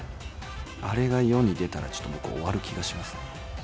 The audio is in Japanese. あれが世に出たら、ちょっと僕終わる気がしますね。